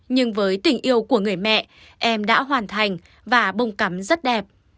nhưng với tình yêu của người mẹ em đã hoàn thành và bông cắm rất đẹp